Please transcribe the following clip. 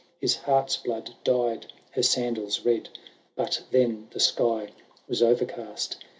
His heart Vblood dyed her sandals red. But then the sky was overcast.